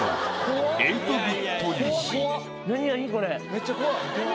めっちゃ怖い。